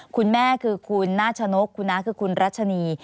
คุณแม่คือคุณนาชนกคุณน้าคือคุณรัชนี